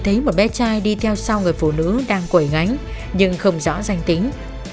thấy một bé trai đi theo sau người phụ nữ đang quẩy ngánh nhưng không rõ danh tính